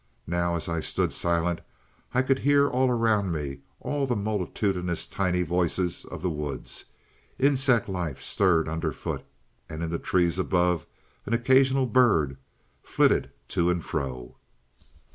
Now, as I stood silent, I could hear around me all the multitudinous tiny voices of the woods. Insect life stirred underfoot, and in the trees above an occasional bird flitted to and fro.